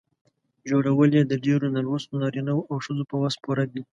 جوړول یې د ډېرو نالوستو نارینه وو او ښځو په وس پوره دي.